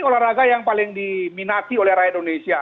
olahraga yang paling diminati oleh rakyat indonesia